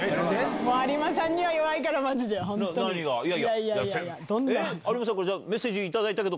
いやいやいやいや。